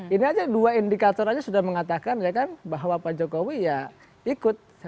ini aja dua indikator aja sudah mengatakan ya kan bahwa pak jokowi ya ikut